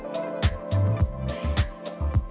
dan juga setelah itu ter tiger fans